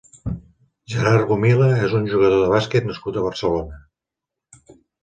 Gerard Gomila és un jugador de bàsquet nascut a Barcelona.